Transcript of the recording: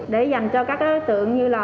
để dành cho các đối tượng như là